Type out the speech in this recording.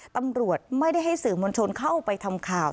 ตำรวจไม่ได้ให้สื่อมวลชนเข้าไปทำข่าว